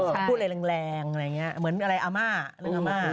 พูดอะไรแรงอะไรอย่างนี้เหมือนอะไรอาม่าเรื่องอาม่า